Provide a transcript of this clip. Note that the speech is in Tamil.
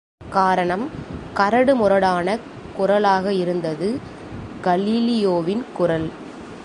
காரணம், கரடுமுரடானக் குரலாக இருந்தது கலீலியோவின் குரல்!